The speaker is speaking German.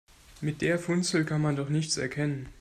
Mit der Funzel kann man doch nichts erkennen.